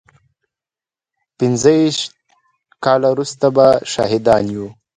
پينځه ويشت کاله وروسته به شاهدان يو.